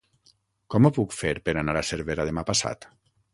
Com ho puc fer per anar a Cervera demà passat?